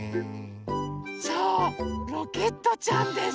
そうロケットちゃんです！